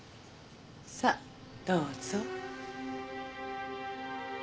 さあどうぞ。